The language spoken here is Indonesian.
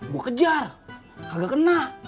gue kejar kagak kena